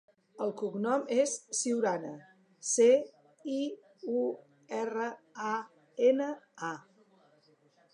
El cognom és Ciurana: ce, i, u, erra, a, ena, a.